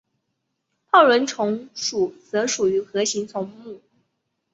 泡轮虫属则属于核形虫目。